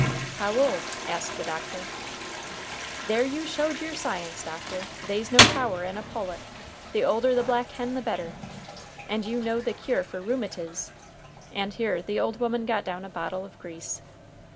"How old?" asked the doctor. "There you showed yer science, doctor! They's no power in a pullet. The older the black hen the better. And you know the cure fer rheumatiz?" And here the old woman got down a bottle of grease.